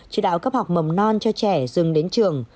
chỉ đạo cấp học mầm non cho trẻ dừng đến trường